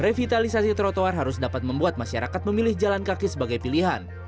revitalisasi trotoar harus dapat membuat masyarakat memilih jalan kaki sebagai pilihan